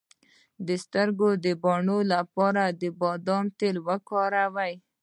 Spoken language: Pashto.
د سترګو د بڼو لپاره د بادام تېل وکاروئ